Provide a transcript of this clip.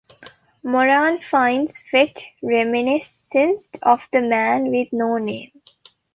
Moran finds Fett reminiscent of the Man with No Name.